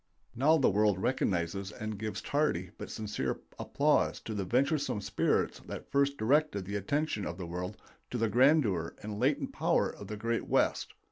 Now the world recognizes and gives tardy but sincere applause to the venturesome spirits that first directed the attention of the world to the grandeur and latent power of the great West.